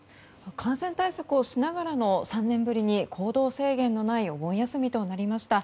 感染対策をしながらの３年ぶりに、行動制限のないお盆休みとなりました。